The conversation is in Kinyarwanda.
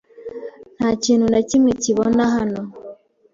Nta kintu na kimwe kibona hano.